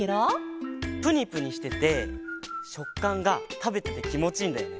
ぷにぷにしててしょっかんがたべててきもちいいんだよね。